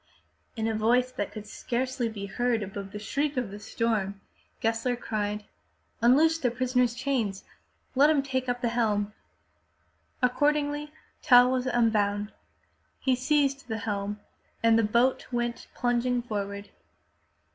In a voice that could scarcely be heard above the shriek of the storm, Gessler cried :'' Unloose the prisoner's chains. Let him take the helm!" Accordingly, Tell was unbound. He seized the helm and the boat went plunging forward.